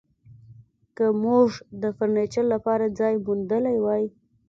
که موږ د فرنیچر لپاره ځای موندلی وای